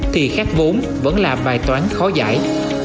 thì khác vốn vẫn là bài toán khó giải